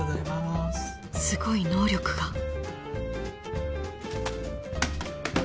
［すごい能力が］